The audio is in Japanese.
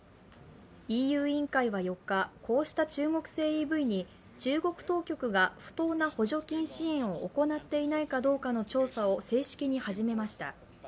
ＥＵ委員会は４日、こうした中国製ＥＶに中国当局が不当な補助金支援を行っていないかどうかの調査を正式に始めました。